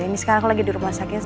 ini sekarang lagi di rumah sakit